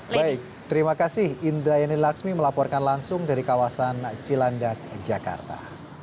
baik terima kasih indrayani laksmi melaporkan langsung dari kawasan cilandak jakarta